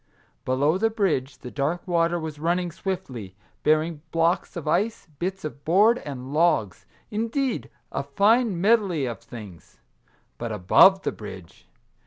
Below the bridge the dark water was running swiftly, bearing blocks of ice, bits of board, and logs, — indeed, a fine medley of things. But above the bridge